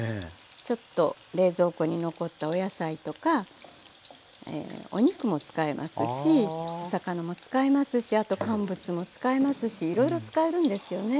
ちょっと冷蔵庫に残ったお野菜とかお肉も使えますしお魚も使えますしあと乾物も使えますしいろいろ使えるんですよね。